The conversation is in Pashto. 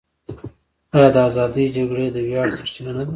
آیا د ازادۍ جګړې د ویاړ سرچینه نه ده؟